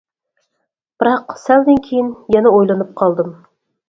بىراق سەلدىن كېيىن يەنە ئويلىنىپ قالدىم.